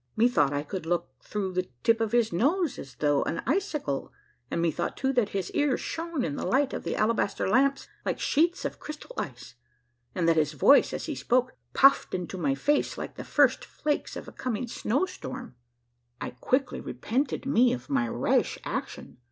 Methought I could look through the tip of his nose as though an icicle, and methought, too, that his ears shone in the light of the alabaster lamps like sheets of crystal ice, and that his voice as he spoke puffed into my face like the first flakes of a coming snowstorm. A MARVELLOUS UNDERGROUND JOURNEY 173 I quickly repented me of my rash action.